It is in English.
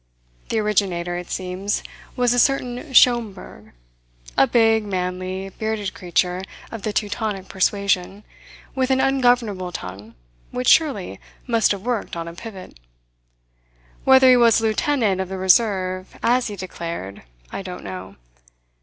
The originator, it seems, was a certain Schomberg, a big, manly, bearded creature of the Teutonic persuasion, with an ungovernable tongue which surely must have worked on a pivot. Whether he was a Lieutenant of the Reserve, as he declared, I don't know.